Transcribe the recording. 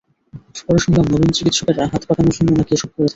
পরে শুনলাম, নবীন চিকিৎসকেরা হাত পাকানোর জন্য নাকি এসব করে থাকেন।